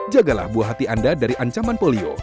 jagalah buah hati anda dari ancaman polio